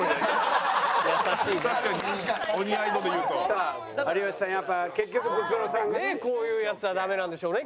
さあ有吉さんやっぱ結局ブクロさんがね。こういうヤツはダメなんでしょうね